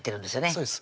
そうです